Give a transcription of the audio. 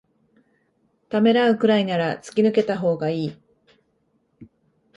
ためらうくらいなら突き抜けたほうがいい